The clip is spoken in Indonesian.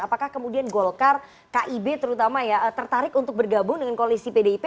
apakah kemudian golkar kib terutama ya tertarik untuk bergabung dengan koalisi pdip